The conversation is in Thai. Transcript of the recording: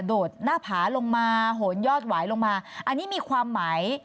โดดหน้าผาลงมาโหนยอดหวายลงมาอันนี้มีความหมาย